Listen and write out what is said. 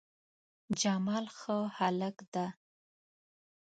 جمال ښه هلک ده